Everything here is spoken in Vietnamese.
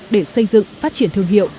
để xây dựng phát triển thương hiệu